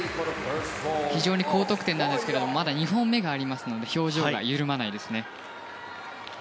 非常に高得点なんですがまだ２本目がありますので表情が緩まないですね。